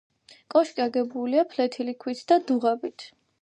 კოშკი აგებულია ფლეთილი ქვით და დუღაბით.